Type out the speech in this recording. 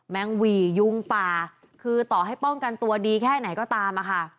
งหวี่ยุงป่าคือต่อให้ป้องกันตัวดีแค่ไหนก็ตามอะค่ะ